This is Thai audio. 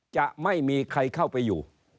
จะไม่มีใครเข้าไปอยู่